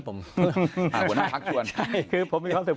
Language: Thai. ผมไม่ควรซึ่ง